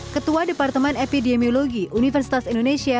ketua departemen epidemiologi universitas indonesia